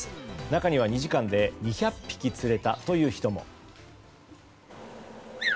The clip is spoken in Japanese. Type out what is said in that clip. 中には２時間で２００匹釣れたという人も。